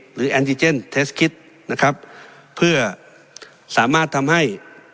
แอนติเจนเทสคิดนะครับเพื่อสามารถทำให้